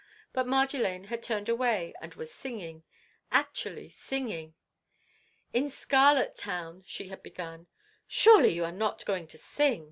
But Marjolaine had turned away, and was singing! Actually singing! "In Scarlet Town—" she had begun. "Surely, you are not going to sing!"